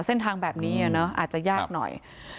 เส้นทางแบบนี้อาจจะยากหน่อย